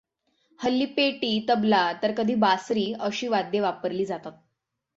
हल्ली पेटी तबला तर कधी बासरी अशी वाद्ये वापरली जातात.